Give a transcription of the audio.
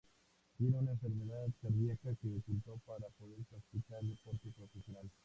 Tiene una enfermedad cardiaca que ocultó para poder practicar deporte profesional.